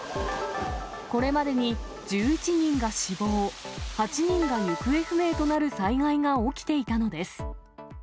これまでに１１人が死亡、８人が行方不明となる災害が起きていたのです。